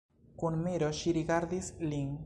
Kun miro ŝi rigardis lin.